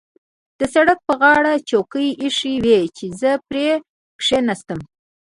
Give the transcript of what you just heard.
د سړک پر غاړه چوکۍ اېښې وې چې زه پرې کېناستم.